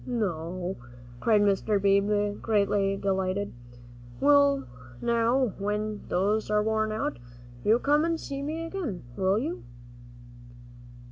"No?" cried Mr. Beebe, greatly delighted; "well, now, when those are worn out, you come and see me again, will you?"